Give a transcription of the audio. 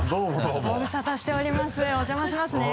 ご無沙汰しておりますお邪魔しますね。